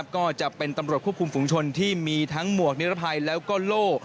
ก็จะเป็นตำรวจควบคุมฝุงชนที่มีทั้งหมวกนิรภัยแล้วก็โล่